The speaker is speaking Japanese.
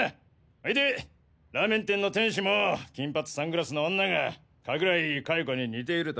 それでラーメン店の店主も金髪サングラスの女が加倉井加代子に似ていると？